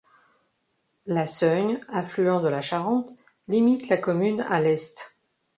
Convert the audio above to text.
La Seugne, affluent de la Charente, limite la commune à l'est.